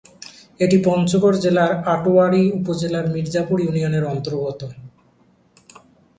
এটি পঞ্চগড় জেলার আটোয়ারী উপজেলার মির্জাপুর ইউনিয়নের অন্তর্গত।